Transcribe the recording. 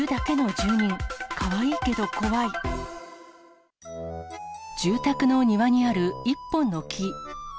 住宅の庭にある１本の木。